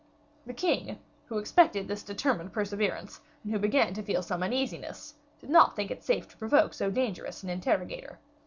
The king, who expected this determined perseverance, and who began to feel some uneasiness, did not think it safe to provoke so dangerous an interrogator.